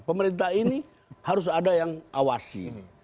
pemerintah ini harus ada yang awasi